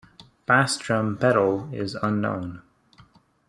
Bass drum pedal is unknown.